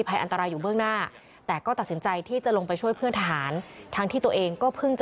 ก็ก็เสียใจจริง